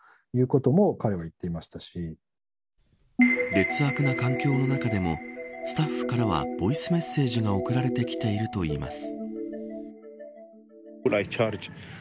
劣悪な環境の中でもスタッフからはボイスメッセージが送られてきているといいます。